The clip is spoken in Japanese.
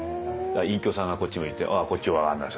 隠居さんがこっち向いて「ああこっちお上がんなさい」。